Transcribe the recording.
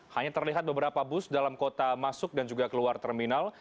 hanya terlihat beberapa bus dalam kota masuk dan juga keluar terminal